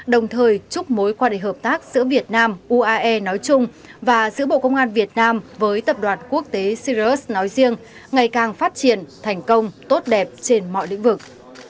đồng thời chúc mối quan hệ hợp tác giữa việt nam uae nói chung và giữa bộ công an việt nam với tập đoàn quốc tế sirius nói riêng ngày càng phát triển thành công tốt đẹp trên mọi lĩnh vực